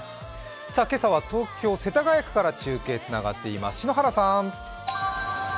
今朝は東京・世田谷区から中継つながっています、篠原さん。